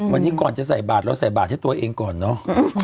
วันนี้ก่อนจะใส่บาทเราใส่บาทให้ตัวเองก่อนเนอะ